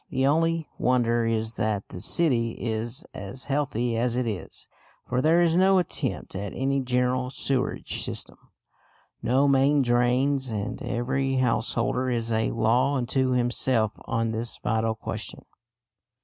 The only wonder is that the city is as healthy as it is, for there is no attempt at any general sewerage system, no main drains, and every householder is a law unto himself on this vital question.